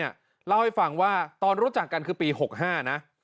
เล่าให้ฟังว่าตอนรู้จักกันคือปี๖๕นะ